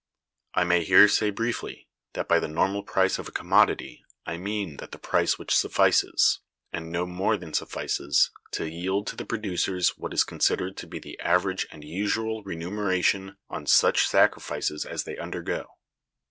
I may here say briefly that by the normal price of a commodity I mean that price which suffices, and no more than suffices, to yield to the producers what is considered to be the average and usual remuneration on such sacrifices as they undergo."